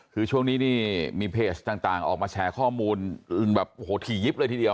คือช่วงนี้นี่มีเพจต่างออกมาแชร์ข้อมูลแบบโอ้โหถี่ยิบเลยทีเดียว